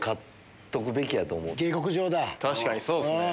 確かにそうっすね。